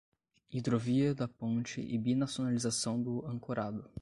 Hidrovia da ponte e binacionalização do ancorado